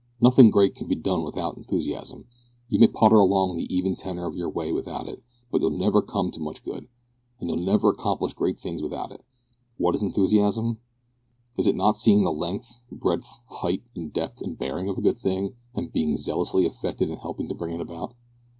Nothing great can be done without enthusiasm. You may potter along the even tenor of your way without it, but you'll never come to much good, and you'll never accomplish great things, without it. What is enthusiasm? Is it not seeing the length, breadth, height, depth, and bearing of a good thing, and being zealously affected in helping to bring it about?